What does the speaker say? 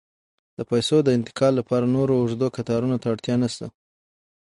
د پیسو د انتقال لپاره نور اوږدو کتارونو ته اړتیا نشته.